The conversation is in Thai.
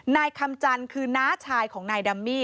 นายคำจันทร์คือน้าชายของนายดัมมี่